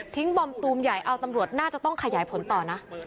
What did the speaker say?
บอมตูมใหญ่เอาตำรวจน่าจะต้องขยายผลต่อนะ